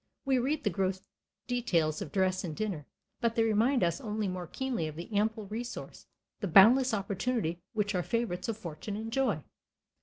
We read the gross details of dress and dinner. But they remind us only more keenly of the ample resource, the boundless opportunity which our favorites of fortune enjoy.